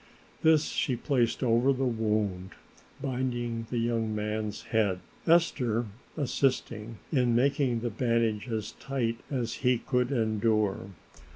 This she placed over the wound, binding the young man's head, Esther assisting in making the bandage as tight as he could endure.